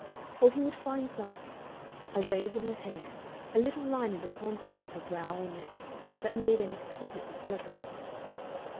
Or he would find something a wave in her hair, a little line in the contour of her brow or neck, that made an exquisite discovery.